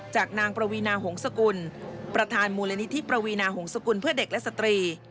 จากนางปวีนาหงษกุลประธานมูลนิธิปวีนาหงศกุลเพื่อเด็กและสตรี